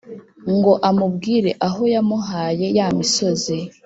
ngo amubwire aho yamuhaye ya misozi